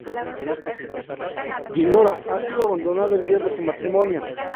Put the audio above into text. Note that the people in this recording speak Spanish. Dinorah ha sido abandonada el día de su matrimonio.